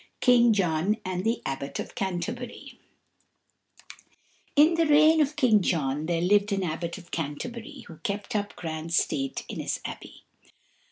King John and the Abbot of Canterbury In the reign of King John there lived an Abbot of Canterbury who kept up grand state in his Abbey.